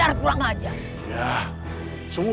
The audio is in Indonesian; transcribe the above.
apa yang kamu tahu